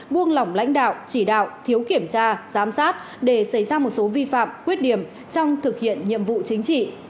buông lỏng lãnh đạo chỉ đạo thiếu kiểm tra giám sát để xảy ra một số vi phạm khuyết điểm trong thực hiện nhiệm vụ chính trị